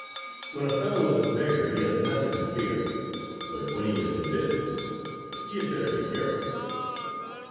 When a fellow is a beggar he has nothing to fear, but when he is in business he had better be careful."